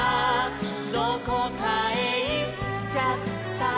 「どこかへいっちゃったしろ」